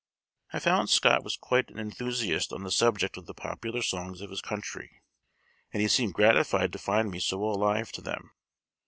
_" I found Scott was quite an enthusiast on the subject of the popular songs of his country, and he seemed gratified to find me so alive to them.